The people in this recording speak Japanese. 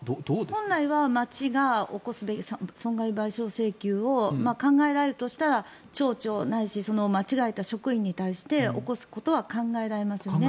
本来は町が起こすべき損害賠償請求を考えられるとしたら町長ないし間違えた職員に対して起こすことは考えられますよね。